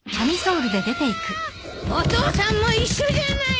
お父さんも一緒じゃないの！